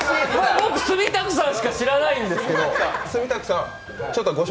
僕、住宅さんしか知らないんですけど。